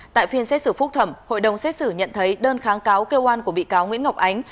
tại phiên xét xử phúc thẩm hội đồng xét xử nhận thấy đơn kháng cáo kêu oan của bị cáo nguyễn ngọc ánh